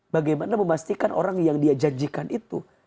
bagaimana memastikan orang yang dia janjikan itu